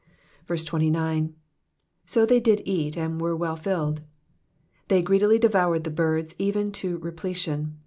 29. ^*So they did eat^ and were well filled.'''' They greedily devoured the birds, even to repletion.